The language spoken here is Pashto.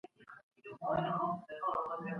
د ترکیې محصولات څه ډول د افغانستان بازارونو ته رسېږي؟